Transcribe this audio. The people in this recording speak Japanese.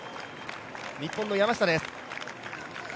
日本の山下です。